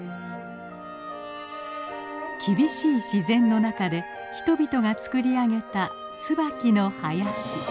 厳しい自然の中で人々が作り上げたツバキの林。